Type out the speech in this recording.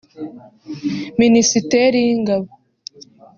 Minisiteri y’Ingabo